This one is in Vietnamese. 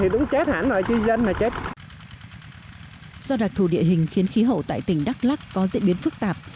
do đặc thù địa hình khiến khí hậu tại tỉnh đắk lắc có diễn biến phức tạp